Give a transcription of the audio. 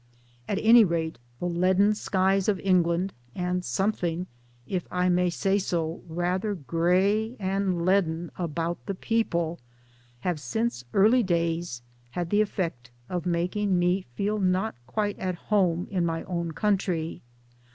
At any rate the leaden skies of England, and something (if I may say so) rather grey and leaden about the people, have since early days had the effect of making me feel not quite at home in my own country.